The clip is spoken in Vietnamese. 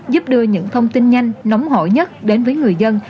giúp đưa những thông tin nhanh nóng hổi nhất đến với người dân